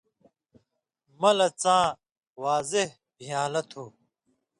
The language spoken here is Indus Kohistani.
مہ لہ څاں واضح بِھیان٘لو تھُو۔